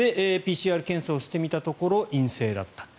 ＰＣＲ検査をしてみたところ陰性だった。